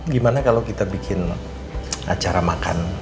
gimana kalau kita bikin acara makan